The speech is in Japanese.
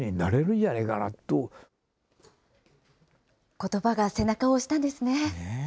ことばが背中を押したんですね。